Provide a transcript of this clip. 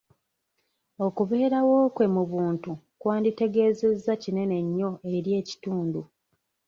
Okubeerawo kwe mu buntu kwanditegeezezza kinene nnyo eri ekitundu